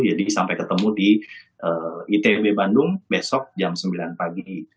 jadi sampai ketemu di itb bandung besok jam sembilan pagi